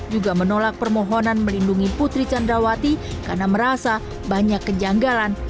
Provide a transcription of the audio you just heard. juga menolak permohonan melindungi putri candrawati karena merasa banyak kejanggalan